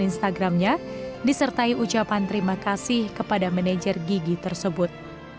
instagramnya disertai ucapan terima kasih kepada manajer gigi tersebut